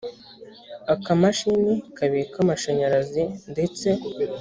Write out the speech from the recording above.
akamashini kabika amashanyarazi ndetse